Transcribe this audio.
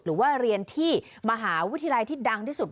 หรือว่าเรียนที่มหาวิทยาลัยที่ดังที่สุด